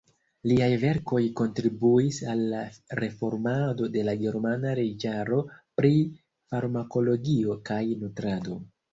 Liaj verkoj kontribuis al la reformado de la germana leĝaro pri farmakologio kaj nutrado.